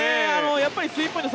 やっぱりスリーポイント